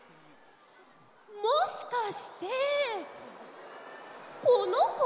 もしかしてこのこ？